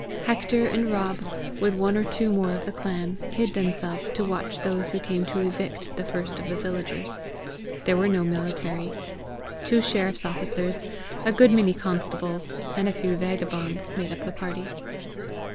Hector and Rob, with one or two more of the clan, hid themselves to watch those who came to evict the first of the villagers. There were no military. Two sheriff's officers, a good many constables, and a few vagabonds, made up the party.